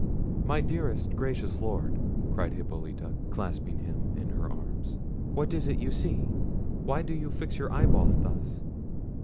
"My dearest, gracious Lord," cried Hippolita, clasping him in her arms, "what is it you see! Why do you fix your eye balls thus?"